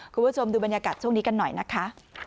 คุณผู้ชมดูบรรยากาศช่วงนี้กันหน่อยนะคะ